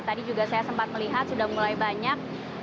tadi juga saya sempat melihat sudah mulai banyak